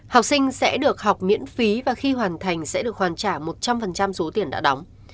học sinh sẽ được học miễn phí và khi hoàn thành sẽ được hoàn trả một trăm linh số tiền đã đóng